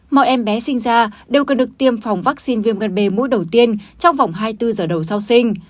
mọi em bé sinh ra đều cần được tiêm phòng vaccine viêm gan b mũi đầu tiên trong vòng hai mươi bốn giờ đầu sau sinh